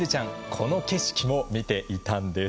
この風景も見ていたんです。